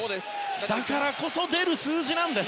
だからこそ出る数字なんです。